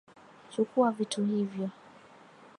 Chukua vitu hivyo